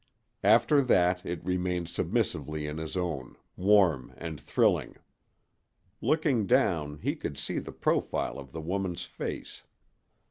After that it remained submissively in his own, warm and thrilling. Looking down, he could see the profile of the woman's face.